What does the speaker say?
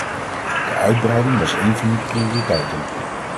De uitbreiding was een van uw prioriteiten.